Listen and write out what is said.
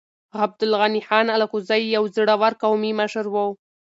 عبدالغني خان الکوزی يو زړور قومي مشر و.